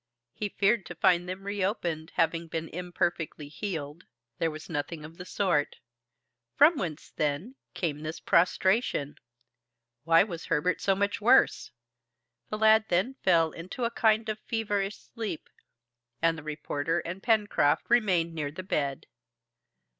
He feared to find them reopened, having been imperfectly healed. There was nothing of the sort. From whence, then, came this prostration? why was Herbert so much worse? The lad then fell into a kind of feverish sleep, and the reporter and Pencroft remained near the bed.